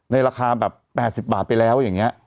ราคาแบบ๘๐บาทไปแล้วอย่างนี้